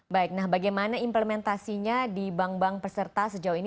baik nah bagaimana implementasinya di bank bank peserta sejauh ini